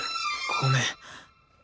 ごめん。